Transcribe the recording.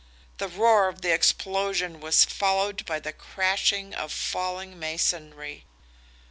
The roar of the explosion was followed by the crashing of falling masonry.